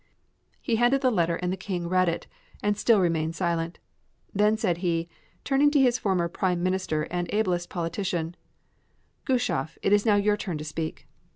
He handed the letter and the King read it and still remained silent. Then he said, turning to his former Prime Minister and ablest politician: "Gueshoff, it is now your turn to speak."